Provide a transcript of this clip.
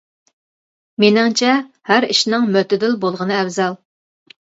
مېنىڭچە ھەر ئىشنىڭ مۆتىدىل بولغىنى ئەۋزەل.